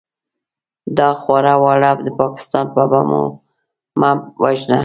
دا خواره واره د پاکستان په بمو مه وژنه!